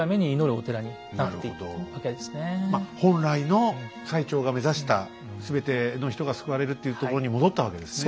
ですから本来の最澄が目指したすべての人が救われるっていうところに戻ったわけですね。